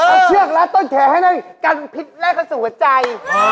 เอาเชือกรัดต้นแขนให้นั่นกันพิษแรกเข้าสู่หัวใจ